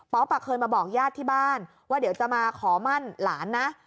เคยมาบอกญาติที่บ้านว่าเดี๋ยวจะมาขอมั่นหลานนะ